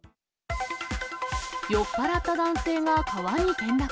酔っ払った男性が川に転落。